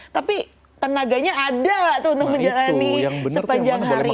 tapi tenaganya ada tuh untuk menjalani sepanjang hari ini